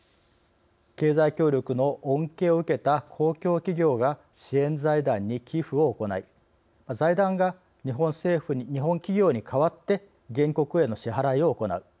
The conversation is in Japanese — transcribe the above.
経済協力の恩恵を受けた公共企業が支援財団に寄付を行い財団が日本企業に代わって原告への支払いを行う。